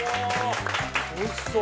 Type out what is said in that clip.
おいしそう。